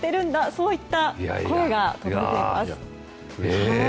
そういった声が届いています。